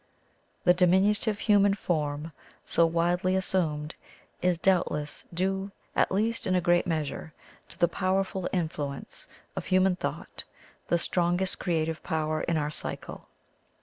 The diminutive human form, so widely assumed, is doubtless due, at least in a great measure, to the powerful influence of hmnan thought, the strongest creative power in our cycle.